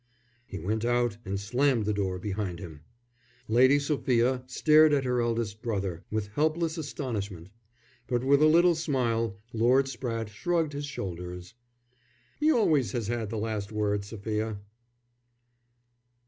He went out and slammed the door behind him. Lady Sophia stared at her eldest brother with helpless astonishment; but with a little smile, Lord Spratte shrugged his shoulders. "He always has had the last word, Sophia."